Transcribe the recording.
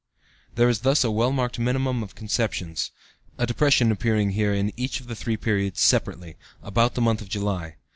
7 There is thus a well marked minimum of conceptions (a depression appearing here in each of the three periods, separately) about the month of July.